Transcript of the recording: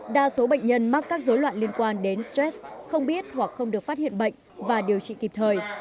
đa số bệnh nhân mắc các dối loạn liên quan đến stress không biết hoặc không được phát hiện bệnh và điều trị kịp thời